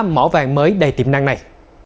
mỏ vàng mới đầy tiềm năng này